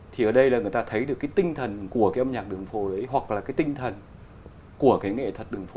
thì ở đây là người ta thấy được cái tinh thần của cái âm nhạc đường phố đấy hoặc là cái tinh thần của cái nghệ thuật đường phố